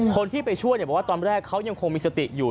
คนที่ไปช่วยบอกว่าตอนแรกเขายังคงมีสติอยู่